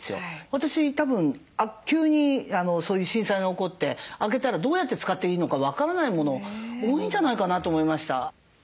私たぶん急にそういう震災が起こって開けたらどうやって使っていいのか分からないもの多いんじゃないかなと思いました。